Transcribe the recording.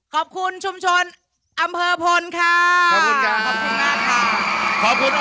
ขอบคุณชุมชนอำเภอพลค่ะขอบคุณค่ะขอบคุณมากค่ะ